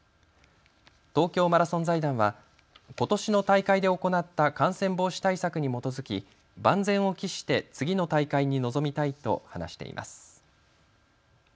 東京マラソン財団はことしの大会で行った感染防止対策に基づき万全を期して次の大会に臨みたいと話しています。